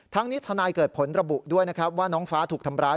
ทั้งนี้ทนายเกิดผลระบุด้วยว่าน้องฟ้าถูกทำร้าย